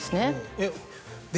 えっ？